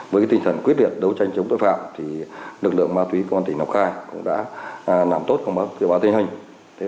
với tinh thần quyết liệt đấu tranh chống tội phạm lực lượng ma túy công an tỉnh lào cai cũng đã làm tốt công an tỉnh lào cai